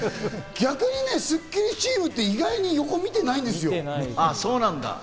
逆に『スッキリ』チームって意外に横見てないんですよ。